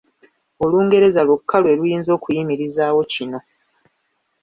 Olungereza lwokka lwe luyinza okuyimirizaawo kino.